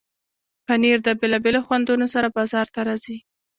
پنېر د بیلابیلو خوندونو سره بازار ته راځي.